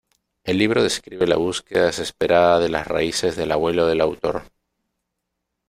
El libro describe la búsqueda desesperada de las raíces del abuelo del autor.